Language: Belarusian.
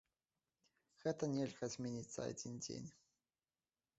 Гэта нельга змяніць за адзін дзень.